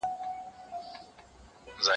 زه له سهاره د سبا لپاره د ژبي تمرين کوم..